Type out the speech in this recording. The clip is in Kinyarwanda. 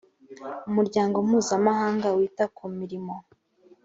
umuryango mpuzamahanga wita ku mirimo